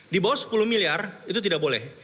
di bawah sepuluh miliar itu tidak boleh